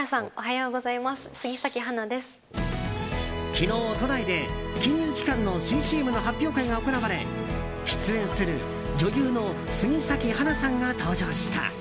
昨日、都内で金融機関の新ＣＭの発表会が行われ出演する女優の杉咲花さんが登場した。